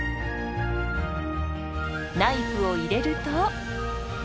ナイフを入れると。